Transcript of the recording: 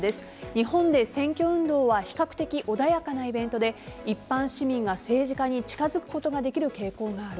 日本で選挙運動は比較的穏やかなイベントで一般市民が政治家に近づくことができる傾向がある。